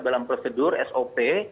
dalam prosedur sop